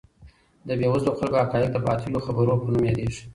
د بې وزلو خلګو حقایق د باطلو خبرو په نوم یادیږي.